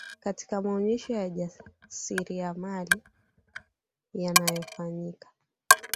katika maonyesho yajasiria mali yanayofanyika